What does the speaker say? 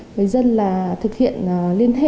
người dân là thực hiện liên hệ